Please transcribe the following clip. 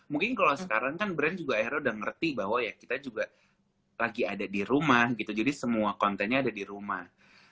mungkin kalau sekarang kan brand juga akhirnya udah ngerti bahwa ya kita juga lagi ada di rumah gitu jadi semua kontennya ada di rumah